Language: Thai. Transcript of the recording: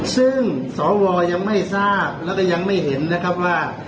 ซึ่งสวยังไม่ทราบแล้วก็ยังไม่เห็นนะครับว่า